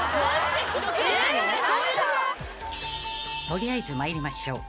［取りあえず参りましょう］